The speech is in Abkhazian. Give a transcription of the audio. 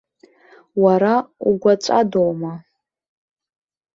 Уара угәаҵәадоума?!